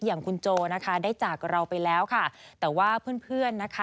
อย่างคุณโจนะคะได้จากเราไปแล้วค่ะแต่ว่าเพื่อนเพื่อนนะคะ